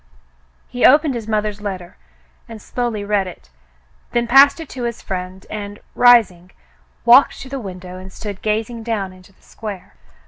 He opened his mother's letter and slowly read it, then passed it to his friend and, rising, walked to the window and stood gazing down into the square.